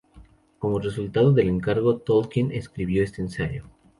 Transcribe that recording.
Como resultado del encargo, Tolkien escribió este ensayo.